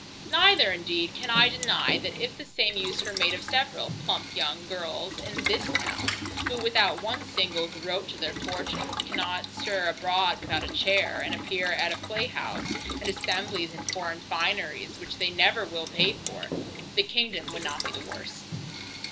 Neither indeed can I deny, that if the same use were made of several plump young girls in this town, who without one single groat to their fortunes, cannot stir abroad without a chair, and appear at a playhouse and assemblies in foreign fineries which they never will pay for, the kingdom would not be the worse.